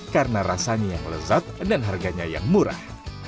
karena rasanya yang lezat dan harganya yang murah